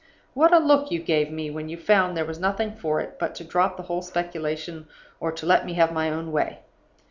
What a look you gave me when you found there was nothing for it but to drop the whole speculation or to let me have my own way!